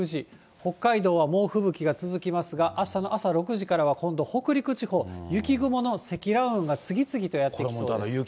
北海道は猛吹雪が続きますが、あしたの朝６時からは、今度、北陸地方、雪雲の積乱雲が次々とやってきそうです。